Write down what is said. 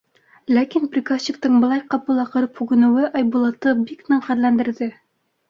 Ләкин приказчиктың былай ҡапыл аҡырып һүгенеүе Айбулатты бик ныҡ ғәрләндерҙе.